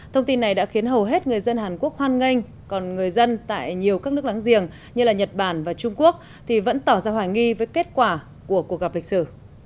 thông tin này đã khiến hầu hết người dân hàn quốc hoan nghênh còn người dân tại nhiều các nước láng giềng như nhật bản và trung quốc thì vẫn tỏ ra hoài nghi với kết quả của cuộc gặp lịch sử